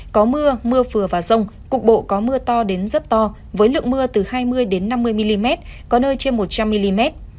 có mưa mưa vừa và rông cục bộ có mưa to đến rất to với lượng mưa từ hai mươi năm mươi mm có nơi trên một trăm linh mm